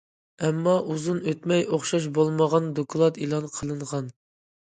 ئەمما ئۇزۇن ئۆتمەي ئوخشاش بولمىغان دوكلات ئېلان قىلىنغان.